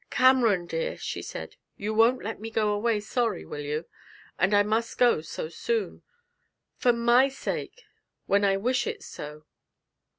'Cameron, dear,' she said, 'you won't let me go away sorry, will you? and I must go so soon. For my sake, when I wish it so!'